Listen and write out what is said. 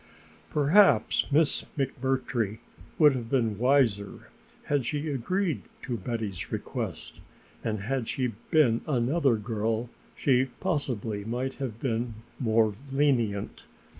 Perhaps Miss McMurtry would have been wiser had she agreed to Betty's request, and had she been another girl she possibly might have been more lenient.